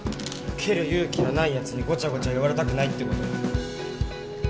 蹴る勇気のないやつにごちゃごちゃ言われたくないってこと。